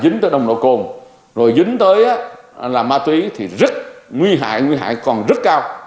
nông độ cồn rồi dính tới là ma túy thì rất nguy hại nguy hại còn rất cao